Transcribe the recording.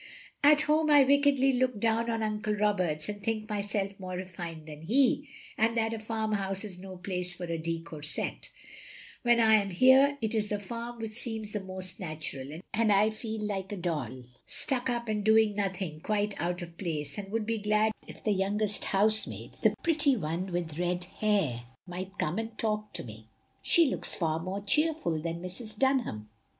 At home I wickedly look down on Uncle Roberts and think myself more refined than he, and that a farmhouse is no place for a de Courset; when I am here, it is the farm which seems the most natural; and I feel like a doll stuck up and doing nothing, quite out of place; and would be glad if the youngest housemaid, the pretty one with red hair, might come and talk to me. She looks far more cheerful than Mrs. Dunham.